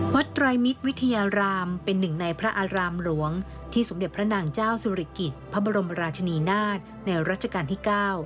ไตรมิตรวิทยารามเป็นหนึ่งในพระอารามหลวงที่สมเด็จพระนางเจ้าสุริกิจพระบรมราชนีนาฏในรัชกาลที่๙